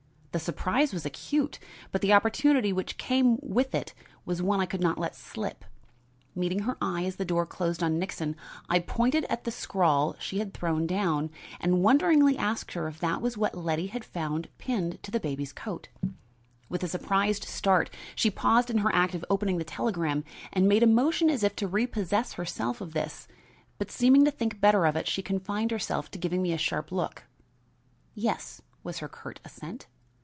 The surprise was acute, but the opportunity which came with it was one I could not let slip. Meeting her eye as the door closed on Nixon, I pointed at the scrawl she had thrown down, and wonderingly asked her if that was what Letty had found pinned to the baby's coat. With a surprised start, she paused in her act of opening the telegram and made a motion as if to repossess herself of this, but seeming to think better of it she confined herself to giving me a sharp look. "Yes," was her curt assent.